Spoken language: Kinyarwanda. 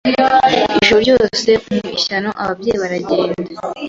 Ijoro ryose mu ishyano ababyeyi baragenda